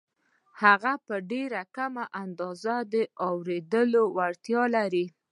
هغه په ډېره کمه اندازه د اورېدو وړتیا لري